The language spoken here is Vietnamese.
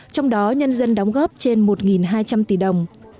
trong đó nhân dân đóng góp trên một hai trăm linh tỷ đồng